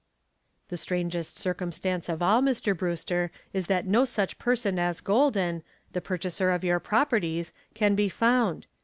"The strangest circumstance of all, Mr. Brewster, is that no such person as Golden, the purchaser of your properties, can be found.